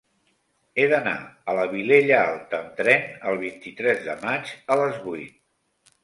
He d'anar a la Vilella Alta amb tren el vint-i-tres de maig a les vuit.